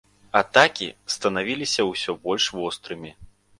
Атакі станавіліся ўсё больш вострымі.